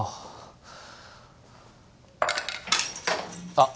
あっ